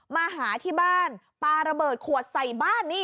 มาหาที่บ้านปลาระเบิดขวดใส่บ้านนี่